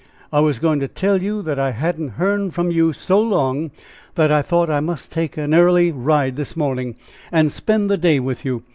I was going to tell you that I hadn't hearn from you so long, that I thought I must take an early ride this morning, and spend the day with you.